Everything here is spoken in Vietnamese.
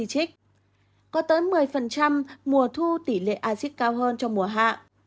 các quả chanh có chứa axit cao hơn trong mùa hạ